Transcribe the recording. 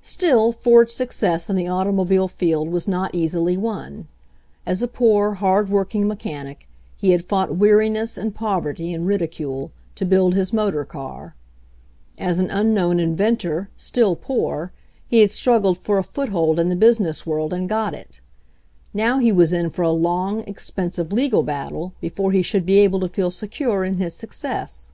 Still Ford's success in the automobile field was not easily won. As a poor, hard working me chanic, he had fought weariness and poverty and ridicule, to build his motor car; as an unknown inventor, still poor, he had struggled for a foot hold in the business world and got it ; now he was in for a long, expensive legal battle before he should be able to feel secure in his success.